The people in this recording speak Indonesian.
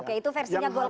oke itu versinya golkar